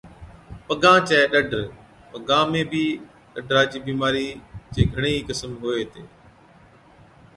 پگان چَي ڏَدر، پگان ۾ بِي ڏَدرا چِي بِيمارِي چي گھڻي ئِي قسم هُوي هِتي۔